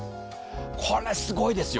これすごいですよ。